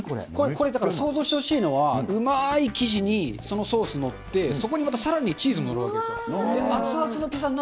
これ、だから想像してほしいのは、うまーい生地に、そのソース載って、そこにまたさらにチーズも載るわけですよ。